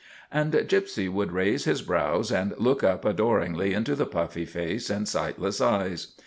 And Gypsy would raise his brows and look up adoringly into the puffy face and sightless eyes.